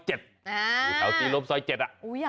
อ๋อเอาจริงรมซอย๗อ่ะ